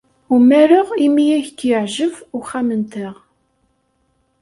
Umareɣ imi ay k-yeɛjeb uxxam-nteɣ.